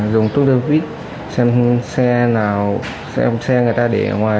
dùng túi đơ vít xem xe nào xem xe người ta để ở ngoài